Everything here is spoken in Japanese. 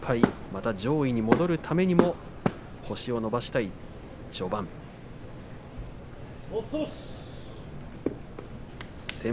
また上位に戻るためにも星を伸ばしたい序盤です。